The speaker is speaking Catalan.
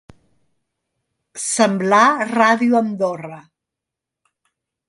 Semblar Ràdio Andorra.